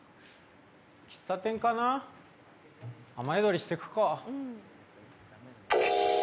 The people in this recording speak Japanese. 喫茶店かな、雨宿りしていくか。